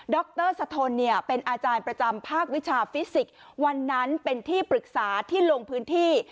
รสะทนเนี่ยเป็นอาจารย์ประจำภาควิชาฟิสิกส์วันนั้นเป็นที่ปรึกษาที่ลงพื้นที่